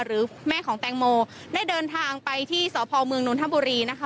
หรือแม่ของแตงโมได้เดินทางไปที่สพเมืองนนทบุรีนะคะ